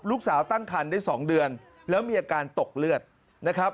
ตั้งคันได้๒เดือนแล้วมีอาการตกเลือดนะครับ